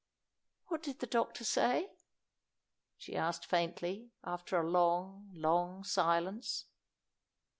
"What did the doctor say?" she asked, faintly, after a long, long silence.